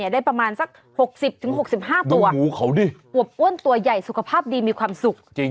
ได้ประมาณสัก๖๐๖๕ตัวเขาดิอวบอ้วนตัวใหญ่สุขภาพดีมีความสุข